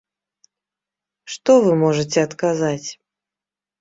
Што вы можаце адказаць?